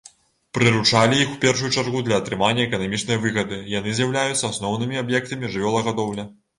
Прыручалі іх у першую чаргу для атрымання эканамічнай выгады, яны з'яўляюцца асноўнымі аб'ектамі жывёлагадоўлі.